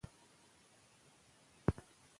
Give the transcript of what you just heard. ښوونځي پخوا منظم وو.